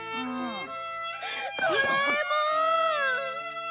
ドラえもん！